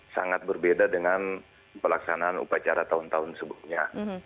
sangat berbeda dengan pelaksanaan upacara tahun tahun sebelumnya